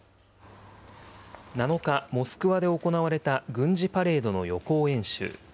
７日、モスクワで行われた軍事パレードの予行演習。